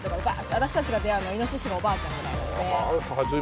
私たちが出会うのいのししかおばあちゃんぐらいなんで。